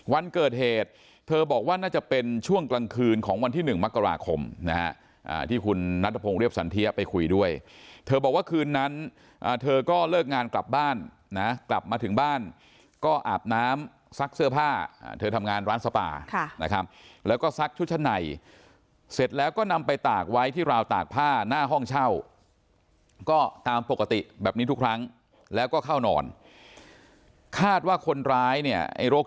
วันเกิดเหตุเธอบอกว่าน่าจะเป็นช่วงกลางคืนของวันที่๑มกราคมนะฮะที่คุณนัทพงศ์เรียบสันเทียไปคุยด้วยเธอบอกว่าคืนนั้นเธอก็เลิกงานกลับบ้านนะกลับมาถึงบ้านก็อาบน้ำซักเสื้อผ้าเธอทำงานร้านสปานะครับแล้วก็ซักชุดชั้นในเสร็จแล้วก็นำไปตากไว้ที่ราวตากผ้าหน้าห้องเช่าก็ตามปกติแบบนี้ทุกครั้งแล้วก็เข้านอนคาดว่าคนร้ายเนี่ยไอ้โรค